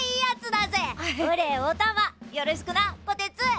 よろしくなこてつ！